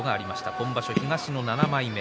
今場所、東の７枚目。